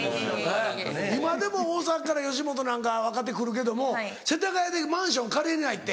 今でも大阪から吉本なんか若手来るけども世田谷でマンション借りれないって。